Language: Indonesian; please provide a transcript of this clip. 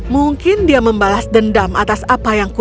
mungkin dia memberikan kekuatan kepadanya